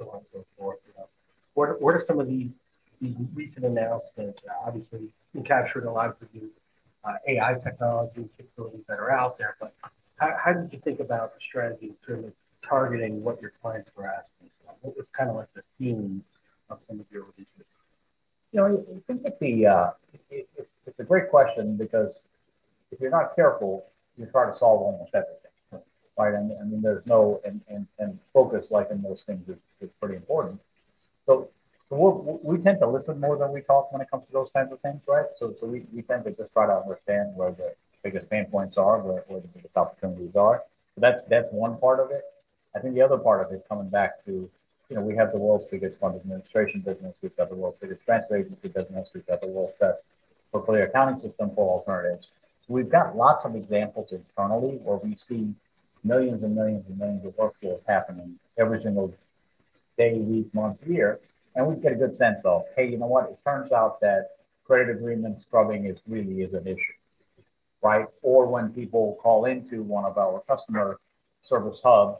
Relief, so on and so forth. What are some of these recent announcements? Obviously, you captured a lot of the new AI technology capabilities that are out there, but how did you think about the strategy in terms of targeting what your clients were asking for? What was kind of the theme of some of your releases? I think that it's a great question because if you're not careful, you're trying to solve almost everything, right? I mean, there's no—and focus in those things is pretty important. We tend to listen more than we talk when it comes to those kinds of things, right? We tend to just try to understand where the biggest pain points are, where the biggest opportunities are. That's one part of it. I think the other part of it, coming back to, we have the world's biggest fund administration business. We've got the world's biggest transfer agency business. We've got the world's best portfolio accounting system for alternatives. We've got lots of examples internally where we see millions and millions and millions of workflows happening every single day, week, month, year. We get a good sense of, "Hey, you know what? It turns out that credit agreement scrubbing really is an issue, right? Or when people call into one of our customer service hubs,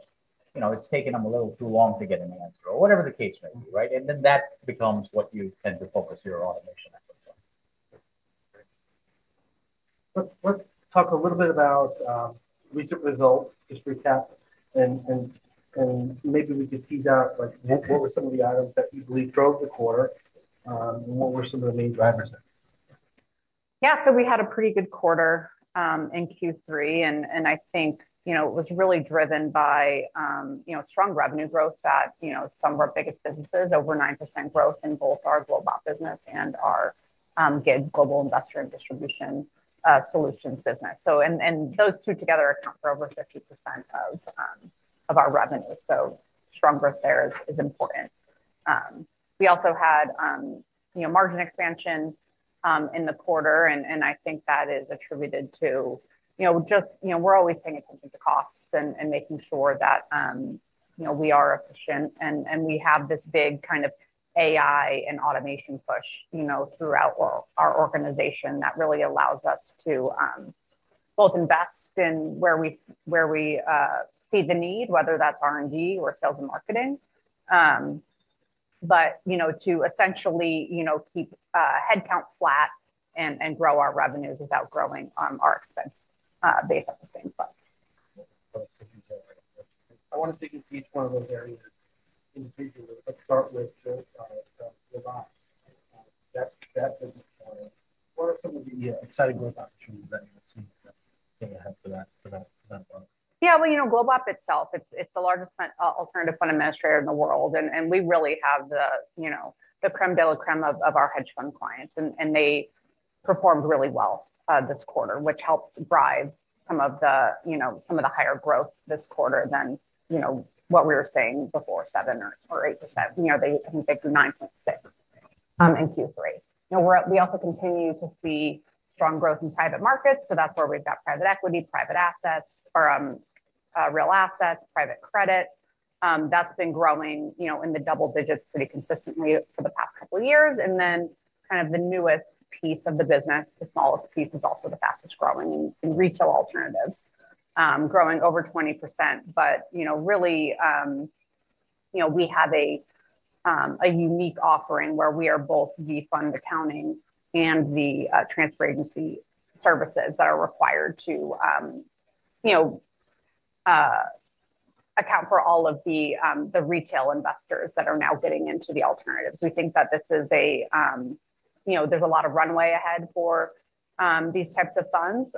it's taking them a little too long to get an answer, or whatever the case may be, right? That becomes what you tend to focus your automation efforts on. Let's talk a little bit about recent results, just recap, and maybe we could tease out what were some of the items that you believe drove the quarter and what were some of the main drivers there? Yeah. We had a pretty good quarter in Q3, and I think it was really driven by strong revenue growth at some of our biggest businesses, over 9% growth in both our global business and our GIDS, Global Investor and Distribution Solutions business. Those two together account for over 50% of our revenue. Strong growth there is important. We also had margin expansion in the quarter, and I think that is attributed to just we're always paying attention to costs and making sure that we are efficient. We have this big kind of AI and automation push throughout our organization that really allows us to both invest in where we see the need, whether that's R&D or sales and marketing, but to essentially keep headcount flat and grow our revenues without growing our expense base at the same place. I want to take you to each one of those areas individually, but start with GlobeOp. That business model, what are some of the exciting growth opportunities that you're seeing that are going to help for that? Yeah. GlobeOp itself, it's the largest alternative fund administrator in the world, and we really have the crème de la crème of our hedge fund clients, and they performed really well this quarter, which helped drive some of the higher growth this quarter than what we were saying before, 7% or 8%. They came back to 9.6% in Q3. We also continue to see strong growth in private markets, so that's where we've got private equity, private assets, real assets, private credit. That's been growing in the double digits pretty consistently for the past couple of years. And then kind of the newest piece of the business, the smallest piece, is also the fastest growing in retail alternatives, growing over 20%. Really, we have a unique offering where we are both the fund accounting and the transfer agency services that are required to account for all of the retail investors that are now getting into the alternatives. We think that this is a—there's a lot of runway ahead for these types of funds.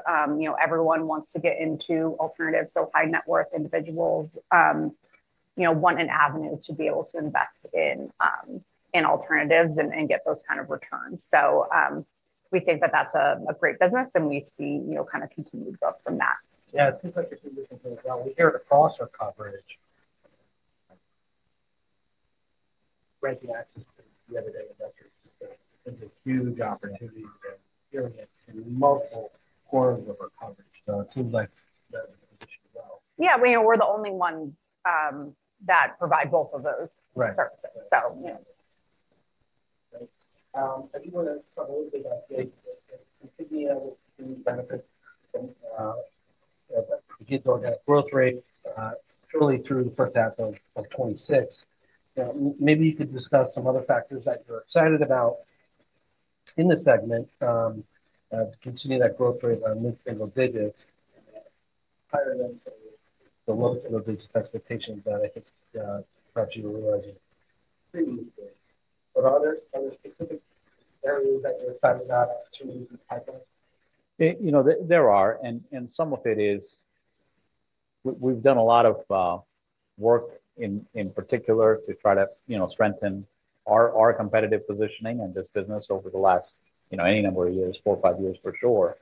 Everyone wants to get into alternatives, so high-net-worth individuals want an avenue to be able to invest in alternatives and get those kind of returns. We think that that's a great business, and we see kind of continued growth from that. Yeah. It seems like you're doing something well. We hear it across our coverage. Frankie asked us the other day about your system. It's a huge opportunity, and we're hearing it in multiple quarters of our coverage. It seems like that's a position as well. Yeah. We're the only ones that provide both of those services, so. Great. I do want to talk a little bit about GIDS. And Sydney out with the benefits of GIDS's organic growth rate early through the first half of 2026. Maybe you could discuss some other factors that you're excited about in the segment to continue that growth rate on many single digits, higher than the low single digit expectations that I think perhaps you were realizing. Pretty neat story. Are there specific areas that you're excited about, opportunities, and type of? There are. Some of it is we've done a lot of work in particular to try to strengthen our competitive positioning in this business over the last any number of years, four or five years for sure.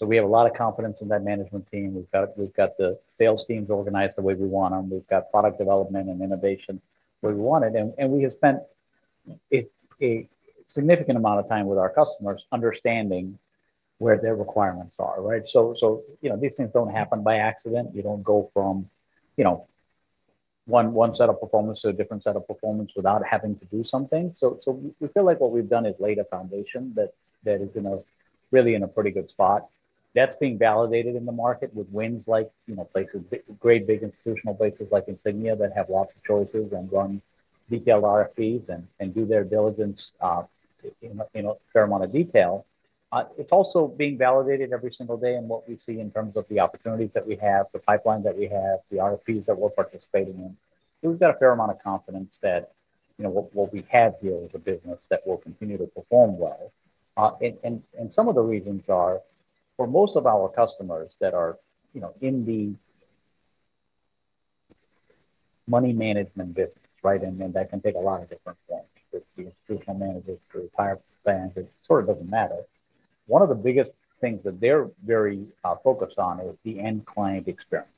We have a lot of confidence in that management team. We've got the sales teams organized the way we want them. We've got product development and innovation the way we want it. We have spent a significant amount of time with our customers understanding where their requirements are, right? These things do not happen by accident. You do not go from one set of performance to a different set of performance without having to do something. We feel like what we've done is laid a foundation that is really in a pretty good spot. That's being validated in the market with wins like great big institutional places like Insignia that have lots of choices and run detailed RFPs and do their diligence in a fair amount of detail. It's also being validated every single day in what we see in terms of the opportunities that we have, the pipeline that we have, the RFPs that we're participating in. We've got a fair amount of confidence that what we have here is a business that will continue to perform well. Some of the reasons are for most of our customers that are in the money management business, right? That can take a lot of different forms, from institutional managers to retirement plans. It sort of doesn't matter. One of the biggest things that they're very focused on is the end client experience,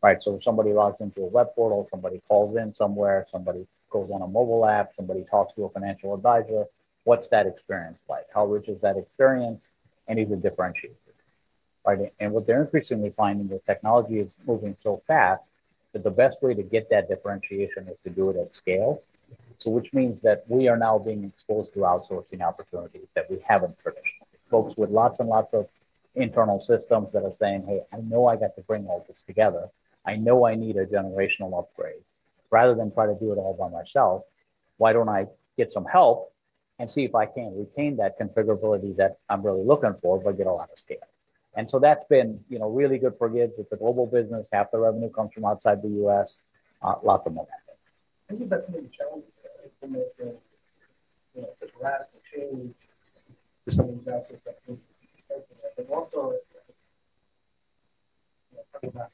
right? Somebody logs into a web portal, somebody calls in somewhere, somebody goes on a mobile app, somebody talks to a financial advisor. What's that experience like? How rich is that experience? Is it differentiated? What they're increasingly finding is technology is moving so fast that the best way to get that differentiation is to do it at scale, which means that we are now being exposed to outsourcing opportunities that we have not traditionally. Folks with lots and lots of internal systems are saying, "Hey, I know I got to bring all this together. I know I need a generational upgrade. Rather than try to do it all by myself, why do I not get some help and see if I can retain that configurability that I'm really looking for, but get a lot of scale?" That has been really good for GIDS. It is a global business. Half the revenue comes from outside the U.S. Lots of money. Thinking about some of the challenges that are implementing the radical change to some of these outsourced techniques that you're starting with, and also talking about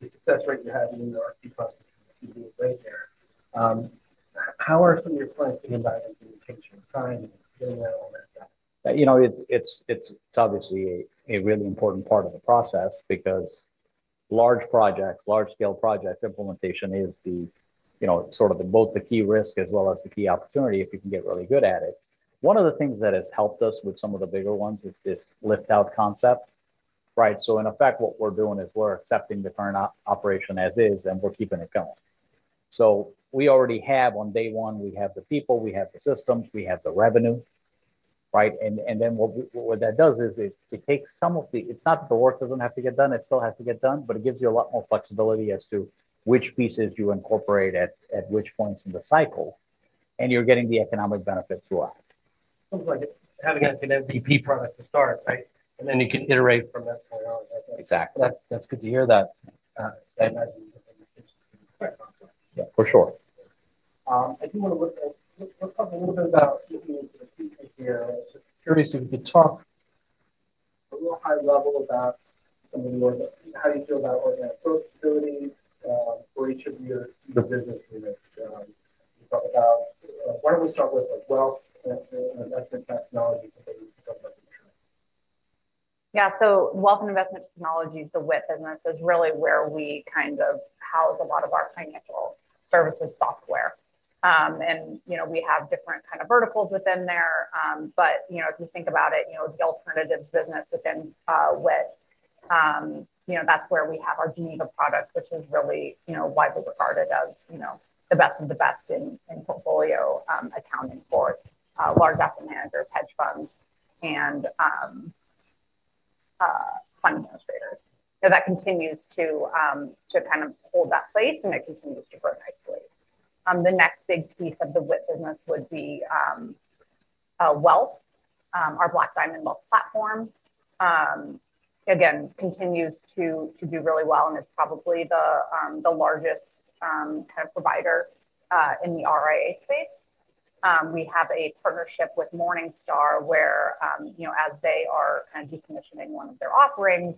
the success rate you're having in the RFP process and the engagement rate there, how are some of your clients getting by on communication, timing, getting that all mapped out? It's obviously a really important part of the process because large projects, large-scale projects, implementation is sort of both the key risk as well as the key opportunity if you can get really good at it. One of the things that has helped us with some of the bigger ones is this lift-out concept, right? In effect, what we're doing is we're accepting the current operation as is, and we're keeping it going. We already have on day one, we have the people, we have the systems, we have the revenue, right? What that does is it takes some of the—it's not that the work does not have to get done. It still has to get done, but it gives you a lot more flexibility as to which pieces you incorporate at which points in the cycle, and you're getting the economic benefit through it. Sounds like having an MVP product to start, right? Then you can iterate from that point on. Exactly. That's good to hear that. Yeah. For sure. I do want to look at—let's talk a little bit about looking into the future here. I'm just curious if you could talk at a real high level about some of your—how you feel about organic growth ability for each of your business units. You talked about—why don't we start with wealth and investment technology companies to talk about the trend? Yeah. So Wealth and Investment Technologies, the WIT business, is really where we kind of house a lot of our financial services software. We have different kind of verticals within there. If you think about it, the alternatives business within WIT, that's where we have our Geneva product, which is really widely regarded as the best of the best in portfolio accounting for large asset managers, hedge funds, and fund administrators. That continues to kind of hold that place, and it continues to grow nicely. The next big piece of the WIT business would be Wealth, our Black Diamond Wealth Platform. Again, continues to do really well and is probably the largest kind of provider in the RIA space. We have a partnership with Morningstar where, as they are kind of decommissioning one of their offerings,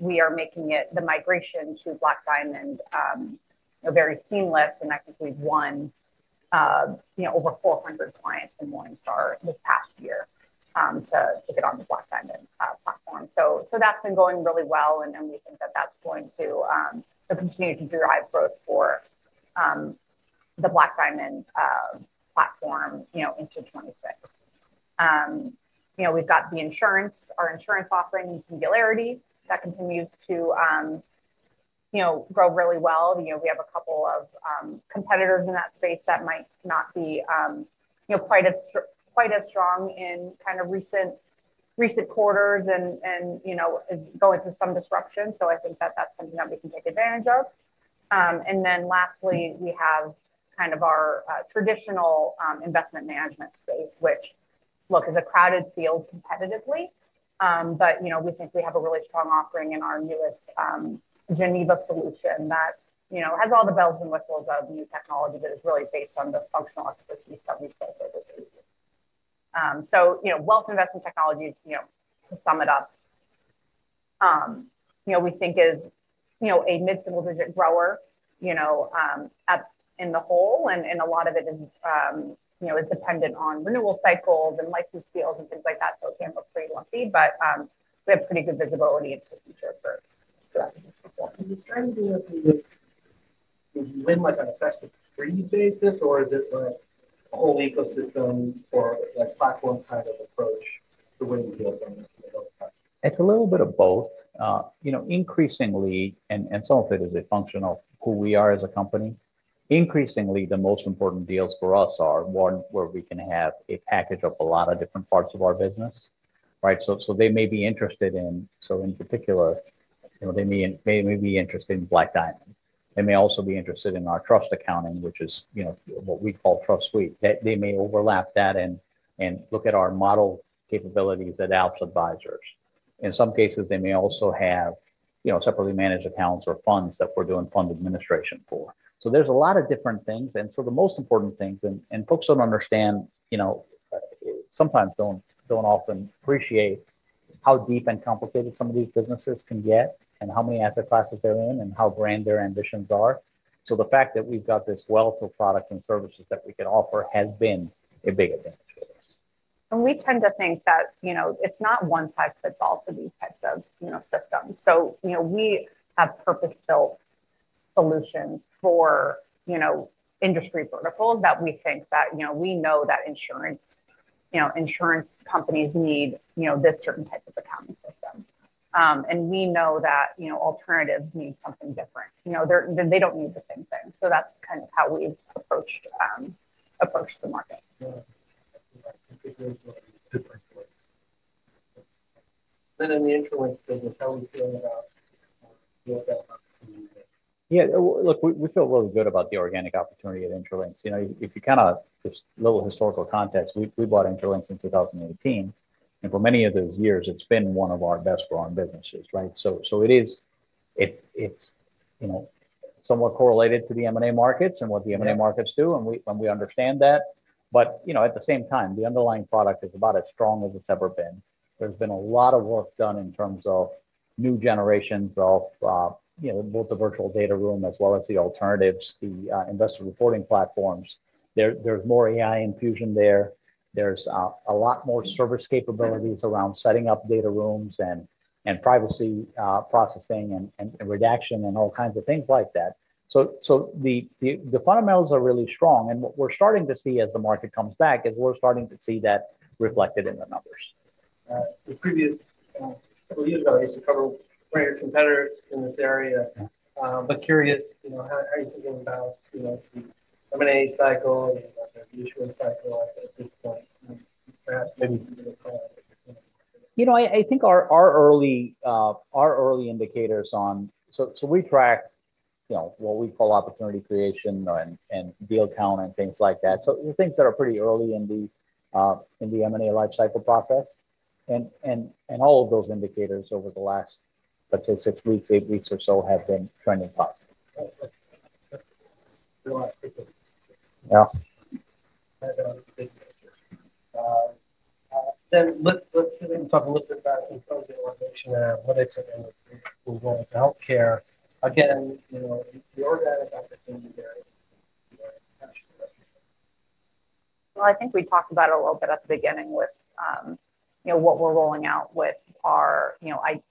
we are making the migration to Black Diamond very seamless. I think we've won over 400 clients from Morningstar this past year to get on the Black Diamond Platform. That has been going really well, and we think that is going to continue to drive growth for the Black Diamond Platform into 2026. We've got our insurance offering in Singularity that continues to grow really well. We have a couple of competitors in that space that might not be quite as strong in kind of recent quarters and is going through some disruption. I think that is something that we can take advantage of. Lastly, we have kind of our traditional investment management space, which, look, is a crowded field competitively. We think we have a really strong offering in our newest Geneva solution that has all the bells and whistles of new technology that is really based on the functional expertise that we've built over the years. Wealth investment technologies, to sum it up, we think is a mid-single digit grower in the whole, and a lot of it is dependent on renewal cycles and license deals and things like that. It can look pretty lumpy, but we have pretty good visibility into the future for that. Is the strategy of the—does you end on a festive free basis, or is it a whole ecosystem or a platform kind of approach to win deals on the whole platform? It's a little bit of both. Increasingly, and some of it is a function of who we are as a company. Increasingly, the most important deals for us are one where we can have a package of a lot of different parts of our business, right? They may be interested in—in particular, they may be interested in Black Diamond. They may also be interested in our trust accounting, which is what we call Trust Suite. They may overlap that and look at our model capabilities at Alps Advisors. In some cases, they may also have separately managed accounts or funds that we're doing fund administration for. There are a lot of different things. The most important things—folks don't understand, sometimes don't often appreciate how deep and complicated some of these businesses can get and how many asset classes they're in and how grand their ambitions are. The fact that we've got this wealth of products and services that we can offer has been a big advantage for us. We tend to think that it's not one size fits all for these types of systems. We have purpose-built solutions for industry verticals that we think that we know that insurance companies need this certain type of accounting system. We know that alternatives need something different. They do not need the same thing. That is kind of how we've approached the market. Yeah. In the Intralinks business, how are we feeling about the organic opportunity that? Yeah. Look, we feel really good about the organic opportunity at Intralinks. If you kind of just a little historical context, we bought Intralinks in 2018. And for many of those years, it's been one of our best-grown businesses, right? It's somewhat correlated to the M&A markets and what the M&A markets do, and we understand that. At the same time, the underlying product is about as strong as it's ever been. There's been a lot of work done in terms of new generations of both the virtual data room as well as the alternatives, the investor reporting platforms. There's more AI infusion there. There's a lot more service capabilities around setting up data rooms and privacy processing and redaction and all kinds of things like that. The fundamentals are really strong. What we're starting to see as the market comes back is we're starting to see that reflected in the numbers. The previous couple of years ago, I guess you covered some of your competitors in this area. Curious, how are you thinking about the M&A cycle and the issuing cycle at this point? Perhaps maybe a little bit of. I think our early indicators on—so we track what we call opportunity creation and deal count and things like that. Things that are pretty early in the M&A life cycle process. All of those indicators over the last, let's say, six weeks, eight weeks or so have been trending positive. Very last question. Yeah. Had a big picture. Let's talk a little bit about intelligent automation and analytics and move on to healthcare. Again, the organic opportunity there. I think we talked about it a little bit at the beginning with what we're rolling out with our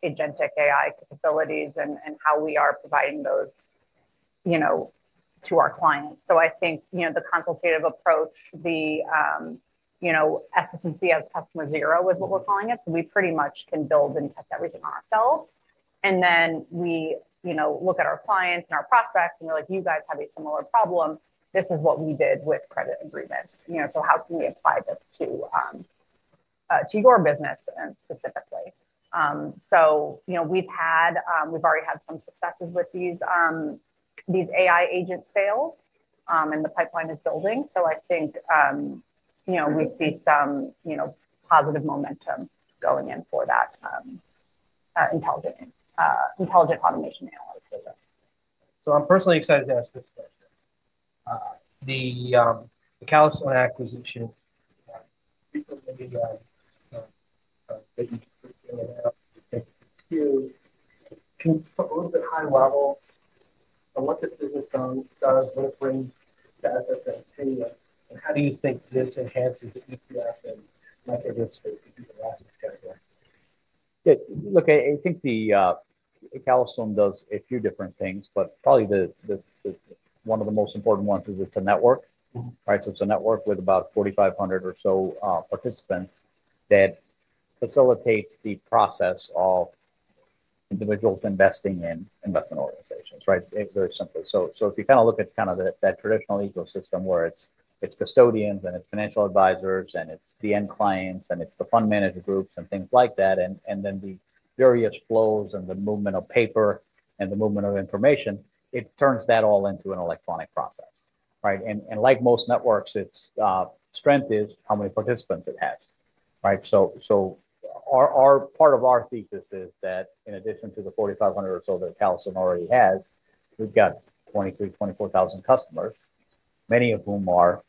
agentic AI capabilities and how we are providing those to our clients. I think the consultative approach, the SS&C as Customer Zero is what we're calling it. We pretty much can build and test everything on ourselves. Then we look at our clients and our prospects and we're like, "You guys have a similar problem. This is what we did with credit agreements. How can we apply this to your business specifically?" We've already had some successes with these AI agent sales, and the pipeline is building. I think we see some positive momentum going in for that intelligent automation analytics business. I'm personally excited to ask this question. The Calastone acquisition, can you put a little bit high level on what this business does, what it brings to SS&C, and how do you think this enhances the ETF and market risk for the assets category? Look, I think the Calastone does a few different things, but probably one of the most important ones is it's a network, right? It is a network with about 4,500 or so participants that facilitates the process of individuals investing in investment organizations, right? Very simply. If you kind of look at that traditional ecosystem where it's custodians and it's financial advisors and it's the end clients and it's the fund manager groups and things like that, and then the various flows and the movement of paper and the movement of information, it turns that all into an electronic process, right? Like most networks, its strength is how many participants it has, right? Part of our thesis is that in addition to the 4,500 or so that Calastone already has, we've got 23,000-24,000 customers, many of whom are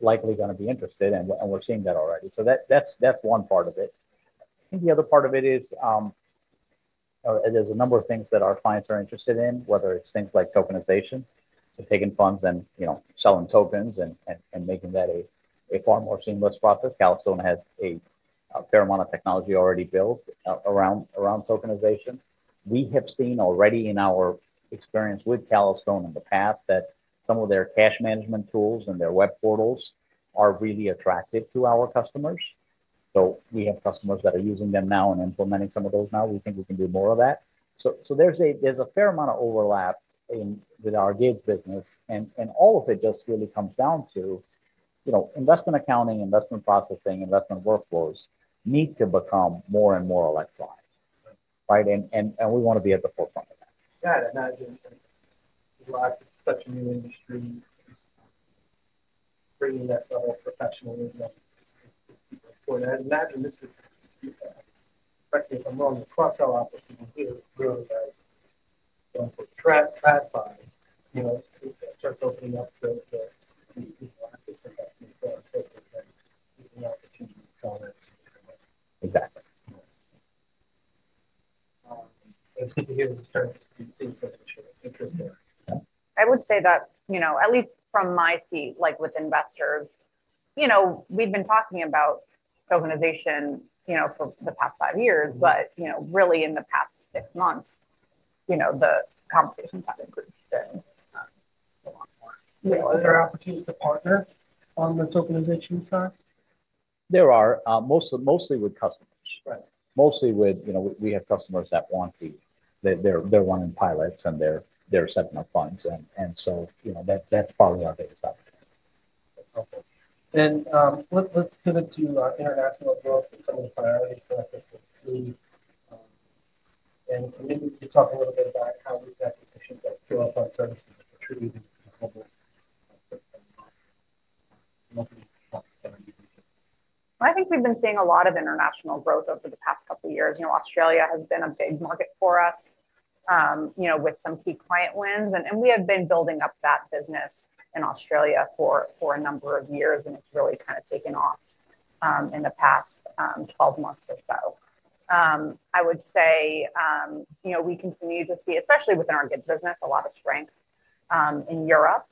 likely going to be interested, and we're seeing that already. That is one part of it. I think the other part of it is there's a number of things that our clients are interested in, whether it's things like tokenization, so taking funds and selling tokens and making that a far more seamless process. Calastone has a fair amount of technology already built around tokenization. We have seen already in our experience with Calastone in the past that some of their cash management tools and their web portals are really attractive to our customers. We have customers that are using them now and implementing some of those now. We think we can do more of that. There's a fair amount of overlap with our GIDS business, and all of it just really comes down to investment accounting, investment processing, investment workflows need to become more and more electronic, right? We want to be at the forefront of that. Got it. Imagine a lot of such a new industry bringing that level of professionalism for that. Imagine this is, correct me if I'm wrong, a cross-sell opportunity really as going from stratified starts opening up the assets investment for our customers and getting the opportunity to sell that. Exactly. It's good to hear the strengths of these things that you're sharing. Interesting. I would say that at least from my seat with investors, we've been talking about tokenization for the past five years, but really in the past six months, the conversations have increased. Are there opportunities to partner on the tokenization side? There are, mostly with customers. Mostly we have customers that want to—they're wanting pilots and they're setting up funds. That is probably our biggest opportunity. Okay. Let's pivot to international growth and some of the priorities for SS&C. Maybe you talk a little bit about how these acquisitions like Pure Electronic Services are contributing to the global market. I think we've been seeing a lot of international growth over the past couple of years. Australia has been a big market for us with some key client wins. We have been building up that business in Australia for a number of years, and it's really kind of taken off in the past 12 months or so. I would say we continue to see, especially within our GIDS business, a lot of strength in Europe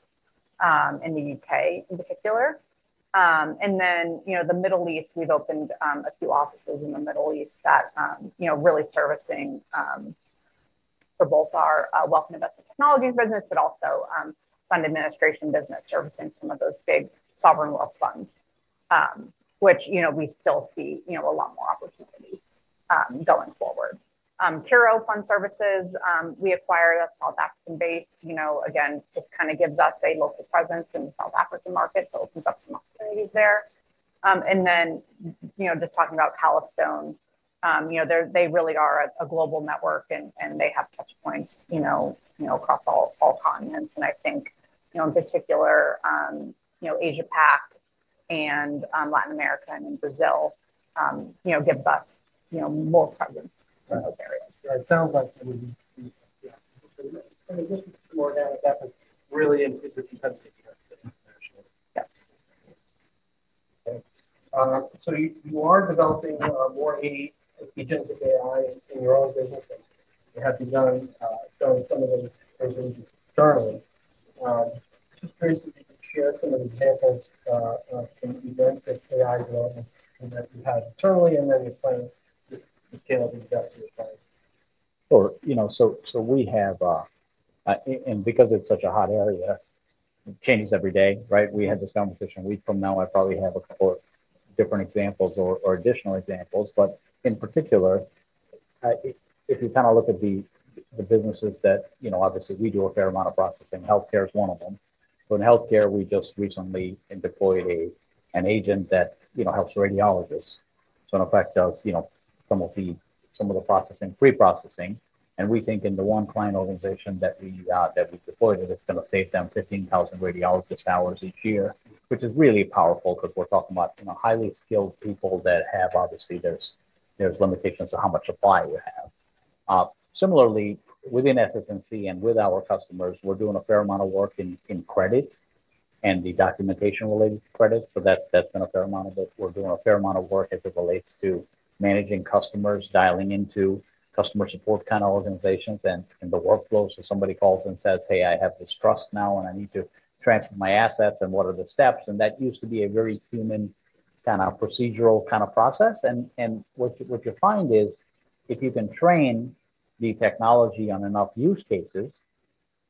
and the U.K. in particular. The Middle East, we've opened a few offices in the Middle East that are really servicing for both our wealth investment technology business, but also fund administration business servicing some of those big sovereign wealth funds, which we still see a lot more opportunity going forward. Curo Fund Services, we acquired. That's South African-based. Again, it kind of gives us a local presence in the South African market, so it opens up some opportunities there. Just talking about Calastone, they really are a global network, and they have touchpoints across all continents. I think in particular, Asia-Pac and Latin America and Brazil give us more presence in those areas. It sounds like some organic efforts really into the intensity of the international. Yes. Okay. So you are developing more agentic AI in your own business. You have begun some of those internally. Just curious if you could share some of the examples of some events that AI developments that you've had internally and then you're planning to scale the investor side. Sure. We have—and because it's such a hot area, it changes every day, right? If we had this conversation a week from now, I probably have a couple of different examples or additional examples. In particular, if you kind of look at the businesses that obviously we do a fair amount of processing, healthcare is one of them. In healthcare, we just recently deployed an agent that helps radiologists. In effect, it does some of the processing, pre-processing. We think in the one client organization that we deployed, it's going to save them 15,000 radiologist hours each year, which is really powerful because we're talking about highly skilled people that have—obviously there's limitations to how much supply we have. Similarly, within SS&C and with our customers, we're doing a fair amount of work in credit and the documentation-related credit. That's been a fair amount of it. We're doing a fair amount of work as it relates to managing customers, dialing into customer support kind of organizations and the workflows. Somebody calls and says, "Hey, I have this trust now, and I need to transfer my assets, and what are the steps?" That used to be a very human kind of procedural kind of process. What you find is if you can train the technology on enough use cases,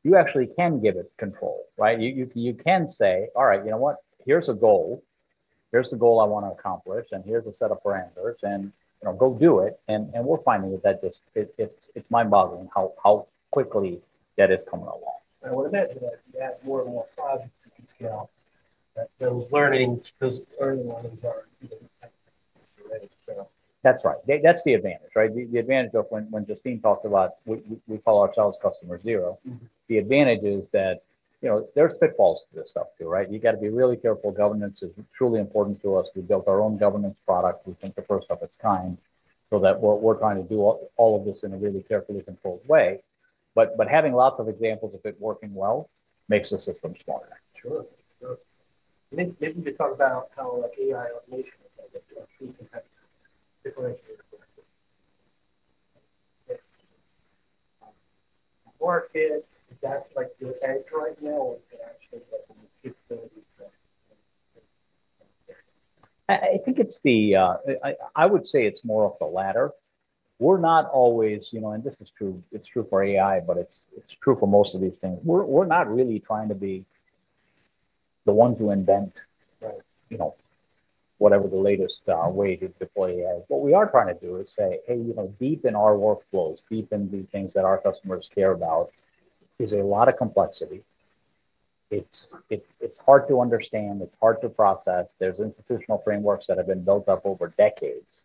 you actually can give it control, right? You can say, "All right, you know what? Here's a goal. Here's the goal I want to accomplish, and here's a set of parameters, and go do it." We're finding that it's mind-boggling how quickly that is coming along. What I imagine is you add more and more projects as you scale, those learning learnings are advantage. That's right. That's the advantage, right? The advantage of when Justine talks about we call ourselves Customer Zero, the advantage is that there's pitfalls to this stuff too, right? You got to be really careful. Governance is truly important to us. We built our own governance product. We think the first of its kind so that we're trying to do all of this in a really carefully controlled way. Having lots of examples of it working well makes the system smarter. Sure. Sure. Maybe you could talk about how AI automation is able to differentiate across the market. Is that your edge right now, or is it actually the capability? I think it's the—I would say it's more of the latter. We're not always—and this is true for AI, but it's true for most of these things. We're not really trying to be the ones who invent whatever the latest way to deploy AI. What we are trying to do is say, "Hey, deep in our workflows, deep in the things that our customers care about, is a lot of complexity. It's hard to understand. It's hard to process. There are institutional frameworks that have been built up over decades."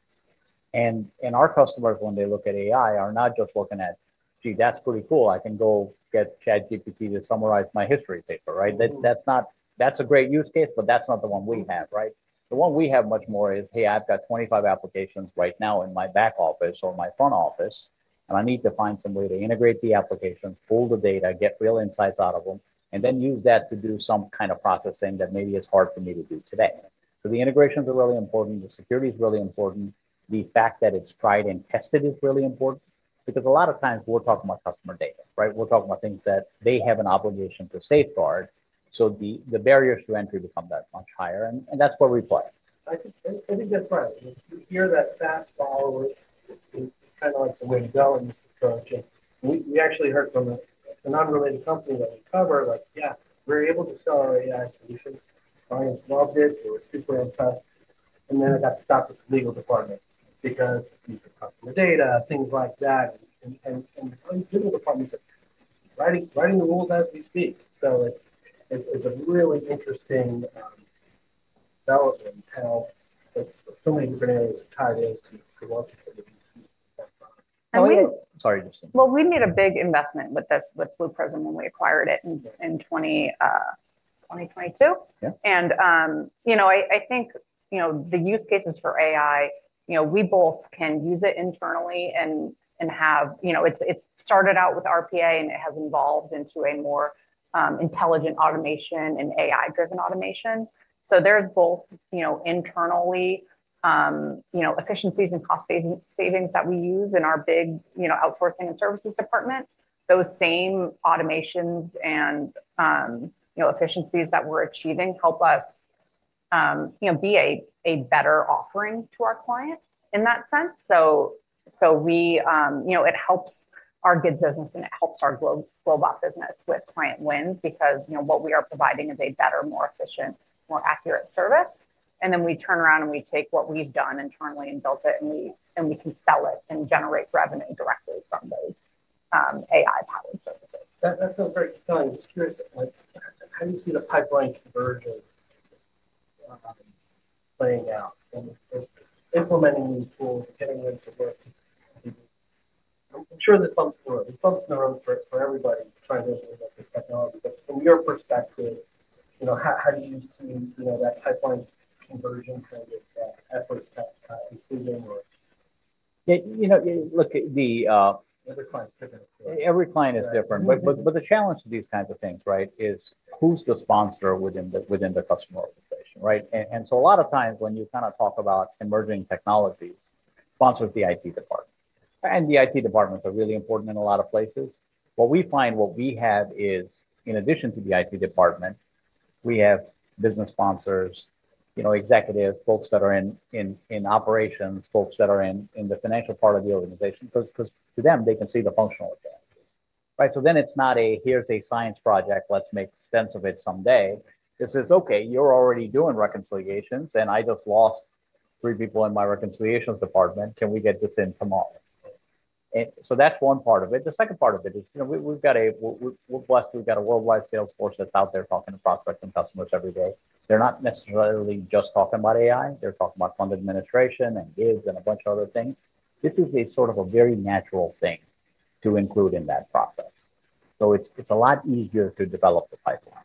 Our customers, when they look at AI, are not just looking at, "Gee, that's pretty cool. I can go get ChatGPT to summarize my history paper," right? That's a great use case, but that's not the one we have, right? The one we have much more is, "Hey, I've got 25 applications right now in my back office or my front office, and I need to find some way to integrate the applications, pull the data, get real insights out of them, and then use that to do some kind of processing that maybe is hard for me to do today." The integrations are really important. The security is really important. The fact that it's tried and tested is really important because a lot of times we're talking about customer data, right? We're talking about things that they have an obligation to safeguard. The barriers to entry become that much higher. That's where we play. I think that's right. You hear that fast follow-up is kind of like the way to go in this approach. We actually heard from a non-related company that we cover, like, "Yeah, we're able to sell our AI solutions." Clients loved it. They were super impressed. It got stopped at the legal department because of the use of customer data, things like that. The legal department's writing the rules as we speak. It is a really interesting development how so many different areas are tied into the market for the use of that product. And we. Sorry, Justine. We made a big investment with this with Blue Prism when we acquired it in 2022. I think the use cases for AI, we both can use it internally and have it started out with RPA, and it has evolved into a more intelligent automation and AI-driven automation. There are both internal efficiencies and cost savings that we use in our big outsourcing and services department. Those same automations and efficiencies that we're achieving help us be a better offering to our client in that sense. It helps our GIDS business, and it helps our robot business with client wins because what we are providing is a better, more efficient, more accurate service. We turn around and we take what we've done internally and build it, and we can sell it and generate revenue directly from those AI-powered services. That sounds very compelling. Just curious, how do you see the pipeline conversion playing out and implementing these tools and getting them to work? I'm sure there are bumps in the road for everybody trying to implement this technology. From your perspective, how do you see that pipeline conversion kind of efforts improving or? Look, the. Every client's different. Every client is different. The challenge to these kinds of things, right, is who's the sponsor within the customer organization, right? A lot of times when you kind of talk about emerging technologies, sponsor is the IT department. The IT departments are really important in a lot of places. What we find, what we have is in addition to the IT department, we have business sponsors, executives, folks that are in operations, folks that are in the financial part of the organization because to them, they can see the functional advantages, right? It is not a, "Here's a science project. Let's make sense of it someday." It says, "Okay, you're already doing reconciliations, and I just lost three people in my reconciliations department. Can we get this in tomorrow?" That is one part of it. The second part of it is we're blessed. We've got a worldwide sales force that's out there talking to prospects and customers every day. They're not necessarily just talking about AI. They're talking about fund administration and GIGS and a bunch of other things. This is sort of a very natural thing to include in that process. It is a lot easier to develop the pipeline.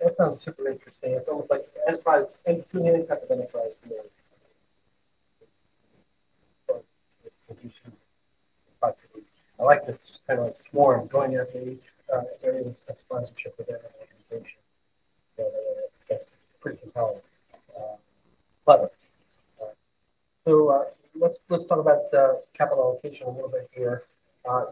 That sounds super interesting. It's almost like any type of enterprise can use your capacity. I like this kind of swarm going at the very least a sponsorship within an organization. That's pretty compelling. Let's talk about capital allocation a little bit here.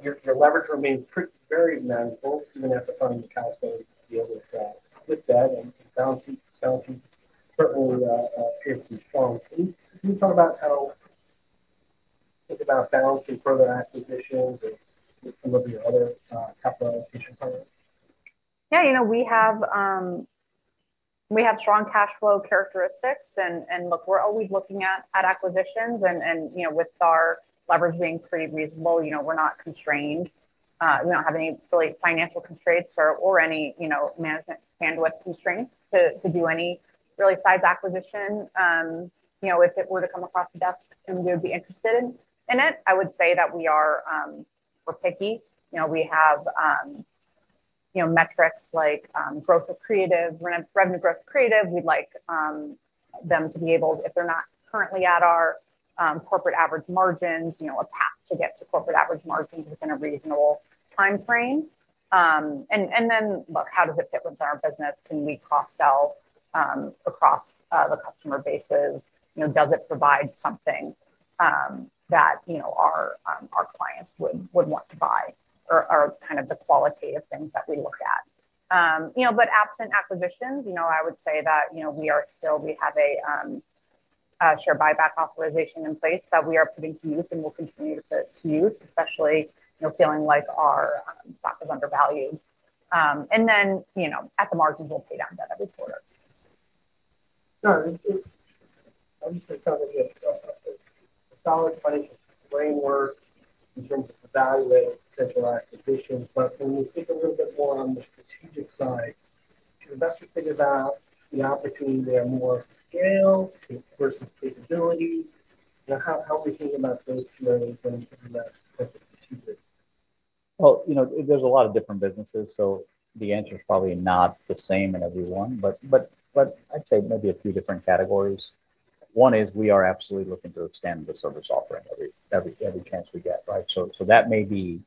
Your leverage remains very manageable even after finding the cash flow to deal with that. Balancing certainly appears to be strong. Can you talk about how you think about balancing further acquisitions or some of your other capital allocation plans? Yeah. We have strong cash flow characteristics. Look, we're always looking at acquisitions. With our leverage being pretty reasonable, we're not constrained. We don't have any really financial constraints or any management bandwidth constraints to do any really size acquisition. If it were to come across the desk and we would be interested in it, I would say that we are picky. We have metrics like revenue growth of creative. We'd like them to be able, if they're not currently at our corporate average margins, a path to get to corporate average margins within a reasonable time frame. Look, how does it fit within our business? Can we cross-sell across the customer bases? Does it provide something that our clients would want to buy or kind of the qualitative things that we look at? Absent acquisitions, I would say that we are still, we have a share buyback authorization in place that we are putting to use and will continue to use, especially feeling like our stock is undervalued. At the margins, we'll pay down debt every quarter. Sure. I'm just going to talk about the solid financial framework in terms of the value-added potential acquisitions. When you think a little bit more on the strategic side, do investors think about the opportunity there more scale versus capability? How are we thinking about those two areas when you're talking about the strategic? There is a lot of different businesses, so the answer is probably not the same in everyone. I'd say maybe a few different categories. One is we are absolutely looking to extend the service offering every chance we get, right? That may be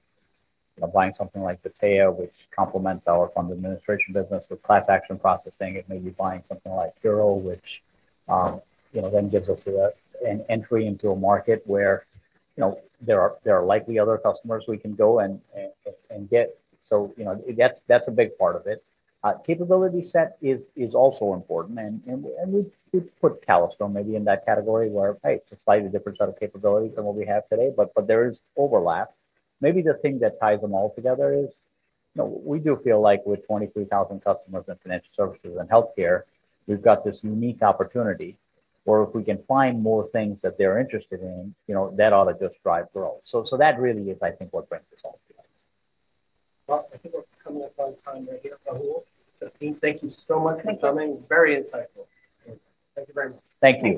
buying something like PATEO, which complements our fund administration business with class action processing. It may be buying something like Curo, which then gives us an entry into a market where there are likely other customers we can go and get. That is a big part of it. Capability set is also important. We put Calastone maybe in that category where, hey, it is a slightly different set of capabilities than what we have today, but there is overlap. Maybe the thing that ties them all together is we do feel like with 23,000 customers in financial services and healthcare, we've got this unique opportunity. If we can find more things that they're interested in, that ought to just drive growth. That really is, I think, what brings us all together. I think we're coming up on time right here. Rahul, Justine, thank you so much for coming. Very insightful. Thank you very much. Thank you.